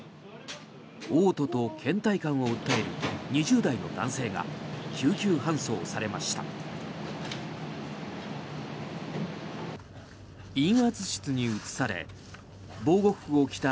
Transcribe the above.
おう吐とけん怠感を訴える２０代の男性が救急搬送されました。